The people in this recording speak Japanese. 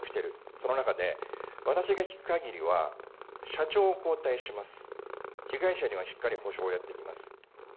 その中で、私が聞くかぎりは、社長を交代します、被害者にはしっかり補償をやっていきます。